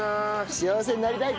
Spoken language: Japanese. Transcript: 幸せになりたい！